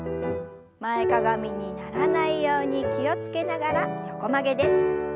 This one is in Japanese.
前かがみにならないように気を付けながら横曲げです。